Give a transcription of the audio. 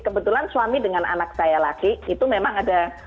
kebetulan suami dengan anak saya laki itu memang ada